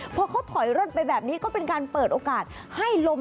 พอเขาถอยร่นไปแบบนี้ก็เป็นการเปิดโอกาสให้ลม